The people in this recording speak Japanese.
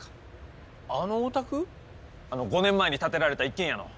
５年前に建てられた一軒家の。